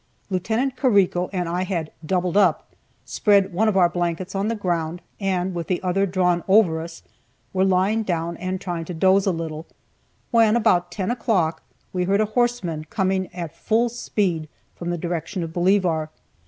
Lieut. Carrico and I had "doubled up," spread one of our blankets on the ground, and with the other drawn over us, were lying down and trying to doze a little, when about ten o'clock we heard a horseman coming at full speed from the direction of Bolivar.